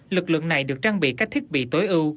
lực lượng này được trang bị các thiết bị tối ưu